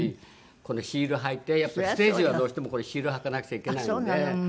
このヒール履いてやっぱりステージはどうしてもこれヒール履かなくちゃいけないので。